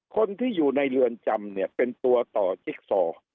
คนที่อยู่ในเรือนจำเนี่ยเป็นตัวต่อจิ๊กซอ